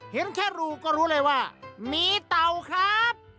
เห็นแค่รูก็รู้เลยว่ามีเต่าครับ